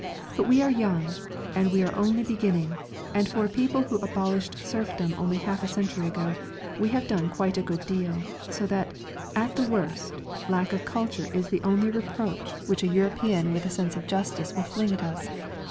But we are young, we are only beginning, and for a people who abolished serfdom only half a century ago, we have done quite a good deal, so that, at the worst, lack of culture is the only reproach which a European with a sense of justice will fling at us.